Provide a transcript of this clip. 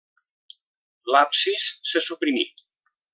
L'absis se suprimí.